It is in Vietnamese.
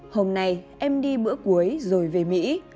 hôm nay em đi bữa cuối rồi về mỹ